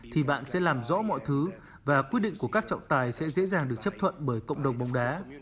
thì bạn sẽ làm rõ mọi thứ và quyết định của các trọng tài sẽ dễ dàng được chấp thuận bởi cộng đồng bóng đá